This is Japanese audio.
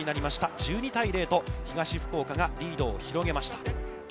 １２対０と、東福岡がリードを広げました。